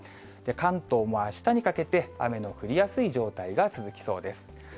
関東もあしたにかけて雨の降りやすい状態が続きそうです。